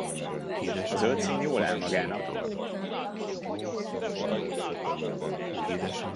A zöld szín jól áll magának!